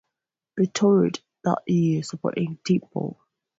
They toured that year supporting Deep Purple.